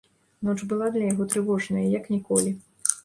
Ноч была для яго трывожная, як ніколі.